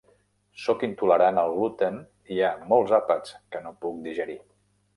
Soc intolerant al gluten i hi ha molts àpats que no puc digerir.